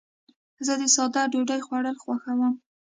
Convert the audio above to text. زه د ساده ډوډۍ خوړل خوښوم.